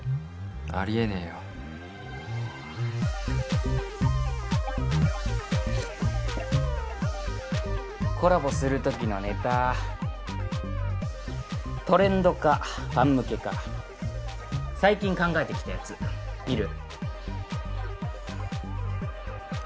ありえねぇよコラボする時のネタトレンドかファン向けか最近考えてきたやつ見る？